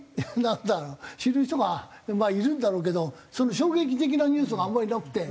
死ぬ人がまあいるんだろうけど衝撃的なニュースがあんまりなくて。